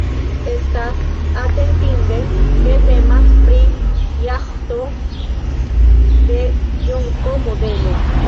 Estas atentinde, ke temas pri jaĥto de Ĵonko-modelo.